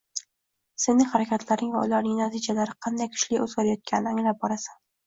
sening harakatlaring va ularning natijalari qanday kuchli o‘zgarayotganini anglab borasan.